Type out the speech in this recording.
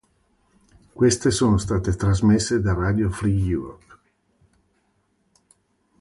Queste sono state trasmesse da Radio Free Europe.